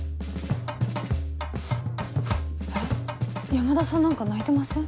山田さん何か泣いてません？